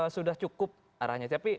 sudah cukup arahnya